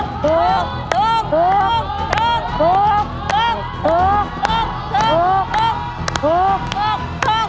ถูก